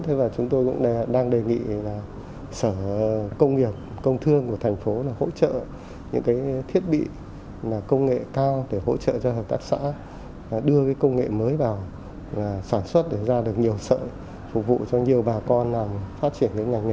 thế và chúng tôi cũng đang đề nghị là sở công nghiệp công thương của thành phố là hỗ trợ những cái thiết bị công nghệ cao để hỗ trợ cho hợp tác xã đưa cái công nghệ mới vào sản xuất để ra được nhiều sợi phục vụ cho nhiều bà con phát triển cái ngành nghề